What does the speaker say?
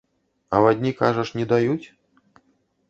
Авадні, кажаш, не даюць?